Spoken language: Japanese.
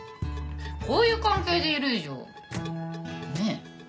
こういう関係でいる以上ねえ？